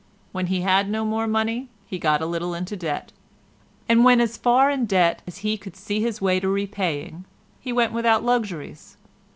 When he had no more money, he got a little into debt, and when as far in debt as he could see his way to repaying, he went without luxuries.